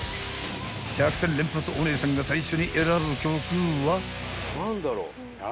［１００点連発おねえさんが最初に選ぶ曲は？］